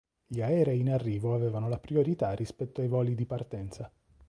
Gli aerei in arrivo avevano la priorità rispetto ai voli di partenza.